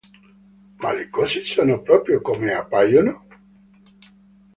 Ma le cose sono proprio come appaiono?